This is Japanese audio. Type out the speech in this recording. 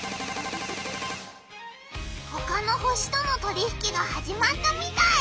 ほかの星との取り引きが始まったみたい！